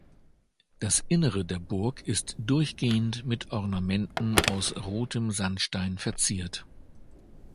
Das Innere der Burg ist durchgehend mit Ornamenten aus rotem Sandstein verziert.